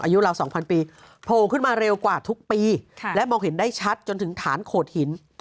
อายุราว๒๐๐ปีโผล่ขึ้นมาเร็วกว่าทุกปีและมองเห็นได้ชัดจนถึงฐานโขดหิน